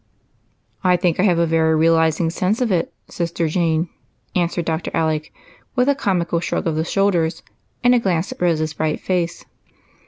"I think I have a very realizing sense of it, sister Jane," answered Dr. Alec, with a comical shrug of the shoulders and a glance at Rose's bright face.